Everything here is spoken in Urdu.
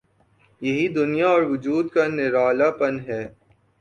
یہی دنیا اور وجود کا نرالا پن ہے۔